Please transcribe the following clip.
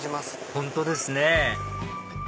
本当ですね